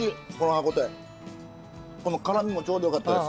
この辛みもちょうど良かったです。